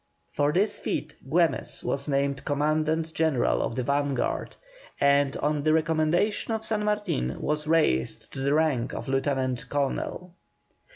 For this feat Güemes was named Commandant General of the Vanguard, and on the recommendation of San Martin, was raised to the rank of Lieutenant Colonel.